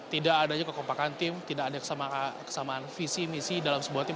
tidak adanya kekompakan tim tidak ada kesamaan visi misi dalam sebuah tim